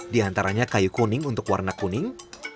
di antaranya kayu kuning untuk warna kuning